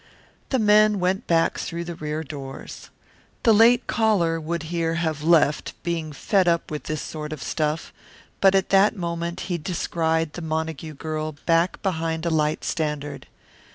The men went back through the rear doors. The late caller would here have left, being fed up with this sort of stuff, but at that moment he descried the Montague girl back behind a light standard.